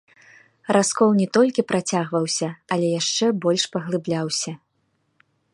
Раскол не толькі працягваўся, але яшчэ больш паглыбляўся.